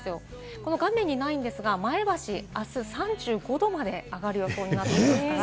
この画面にないですが前橋、明日３５度まで上がる予想になっています。